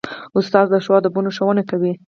استاد د ښو آدابو ښوونه کوي.